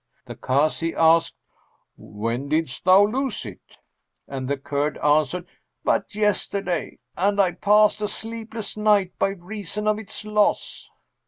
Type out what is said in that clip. The Kazi asked, 'When didst thou lose it?'; and the Kurd answered, 'But yesterday, and I passed a sleepless night by reason of its loss.'